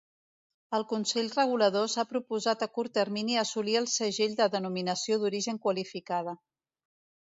El Consell Regulador s'ha proposat a curt termini assolir el segell de Denominació d'Origen Qualificada.